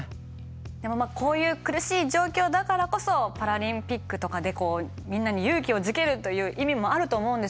でもこういう苦しい状況だからこそパラリンピックとかでみんなに勇気をづけるという意味もあると思うんですけども。